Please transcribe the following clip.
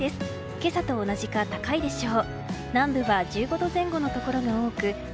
今朝と同じか高いでしょう。